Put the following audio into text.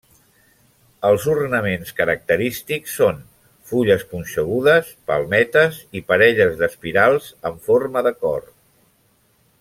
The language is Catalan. Els ornaments característics són fulles punxegudes, palmetes i parelles d'espirals en forma de cor.